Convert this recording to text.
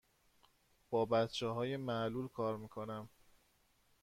با بچه های معلول کار می کنم.